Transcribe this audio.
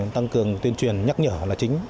tăng cường tuyên truyền nhắc nhở là chính